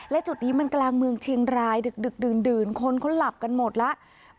และจุดนี้มันกลางเมืองเชียงรายดึกดื่นคนเขาหลับกันหมดแล้ว